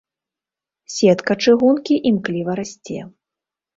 Сетка чыгункі імкліва расце.